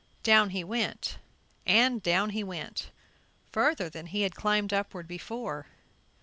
Down he went and down he went, further than he had climbed upward before.